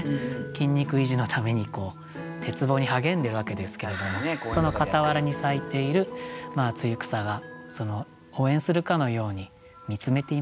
筋肉維持のために鉄棒に励んでるわけですけれどもその傍らに咲いている露草が応援するかのように見つめていますよという。